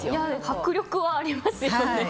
迫力はありますよね。